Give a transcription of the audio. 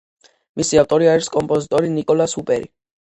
მისი ავტორი არის კომპოზიტორი ნიკოლას ჰუპერი.